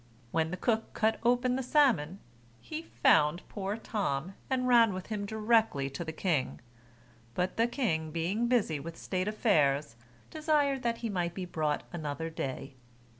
When the cook cut open the salmon, he found poor Tom, and ran with him directly to the king; but the king being busy with state affairs, desired that he might be brought another day.